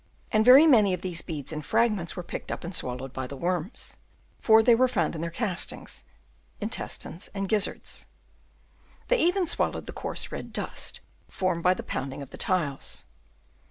251 and very many of these beads and fragments were picked up and swallowed by the worms, for they were found in their castings, intes tines, and gizzards. They even swallowed the coarse red dust, formed by the pounding of the tiles.